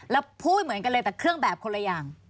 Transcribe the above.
แล้วพูดเหมือนกันเลยแต่เครื่องแบบคนละอย่าง